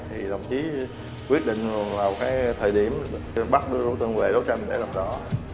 thì đồng chí quyết định là một cái thời điểm bắt đưa đối tượng về đối tranh để làm rõ